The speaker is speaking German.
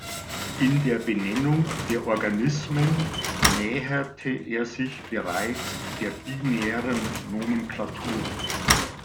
In der Benennung der Organismen näherte er sich bereits der binären Nomenklatur.